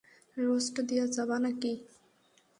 Roast দিয়া যাবো নাকি?